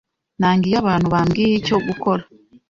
Nanga iyo abantu bambwiye icyo gukora.